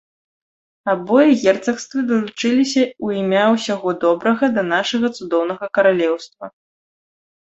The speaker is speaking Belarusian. Абое герцагствы далучыліся ў імя ўсяго добрага да нашага цудоўнага каралеўства.